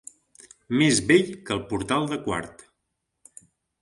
Més vell que el portal de Quart.